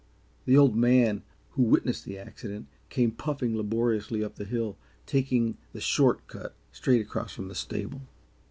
The Old Man, who had witnessed the accident, came puffing laboriously up the hill, taking the short cut straight across from the stable.